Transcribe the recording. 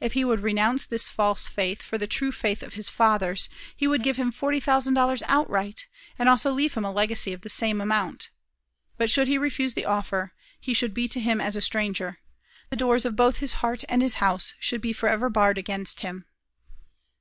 If he would renounce this false faith for the true faith of his fathers, he would give him forty thousand dollars outright, and also leave him a legacy of the same amount. But should he refuse the offer, he should be to him as a stranger the doors of both his heart and his house should be forever barred against him.